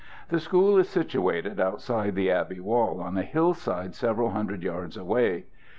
The school is situated outside the abbey wall on a hill side several hundred yards away.